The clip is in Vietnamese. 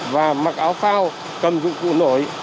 và mặc áo phao cầm dụng cụ nổi